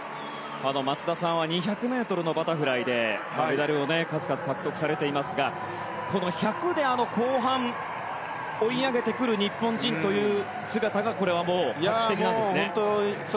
松田さんは２００ｍのバタフライでメダルを数々獲得されていますがこの１００で後半、追い上げてくる日本人という姿が画期的なんですね。